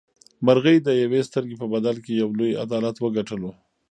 مرغۍ د یوې سترګې په بدل کې یو لوی عدالت وګټلو.